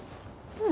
うん。